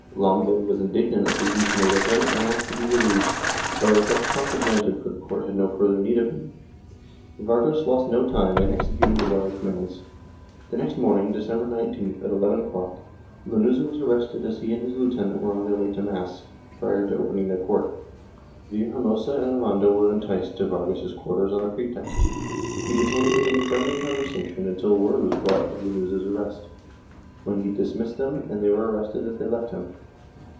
Lombay was indignant at the use made of him and asked to be relieved, a request promptly granted for the court had no further need of him. Vargas lost no time in executing the royal com mands. The next morning, December 19th, at 11 o'clock, Lanuza was arrested as he and his lieutenant were on their way to mass, prior to opening their court. Villahermosa and Aranda were enticed to Vargas's c^uarters on a pretext; he detained them in 266 POLITICAL ACTIVITY [Book VIII friendly conversation until word was brought of Lanuza's arrest, when he dismissed them and they were arrested as they left him.